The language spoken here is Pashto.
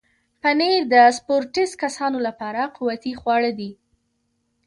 پنېر د سپورټس کسانو لپاره قوتي خواړه دي.